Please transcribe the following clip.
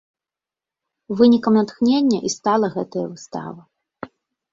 Вынікам натхнення і стала гэтая выстава.